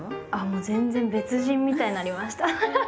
全然別人みたいになりました。